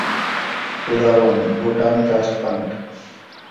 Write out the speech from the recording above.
উদাহরণ- Bhutan trust fund.